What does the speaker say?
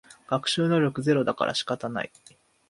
学習能力ゼロだから仕方ない